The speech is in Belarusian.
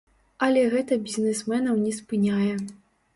Але гэта бізнесменаў не спыняе.